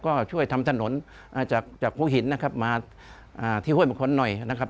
ก็ช่วยทำถนนจากฮุ่งหินมาที่ห้วยมงคลนิดหน่อยนะครับ